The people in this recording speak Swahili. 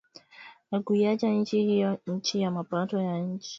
na kuiacha nchi hiyo chini ya mapato ya chini